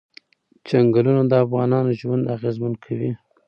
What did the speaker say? چنګلونه د افغانانو ژوند اغېزمن کوي.